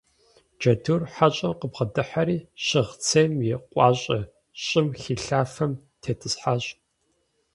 Джэдур хьэщӀэм къыбгъэдыхьэри, щыгъ цейм и къуащӀэ щӀым хилъафэм тетӀысхьащ.